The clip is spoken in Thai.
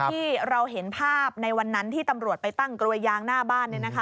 ที่เราเห็นภาพในวันนั้นที่ตำรวจไปตั้งกลวยยางหน้าบ้าน